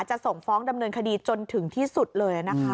จะส่งฟ้องดำเนินคดีจนถึงที่สุดเลยนะคะ